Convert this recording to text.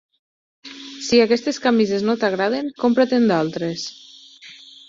Si aquestes camises no t'agraden, compra-te'n d'altres.